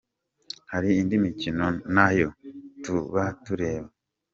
Hari indi mikino nayo tuba tureba.